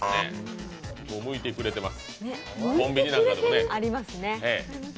もう、むいてくれてます。